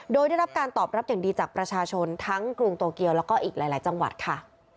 โดยได้รับการตอบรับอย่างดีจากประชาชนทั้งกรุงโตเกียวแล้วก็อีกหลายจังหวัดค่ะ